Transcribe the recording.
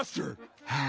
はあ。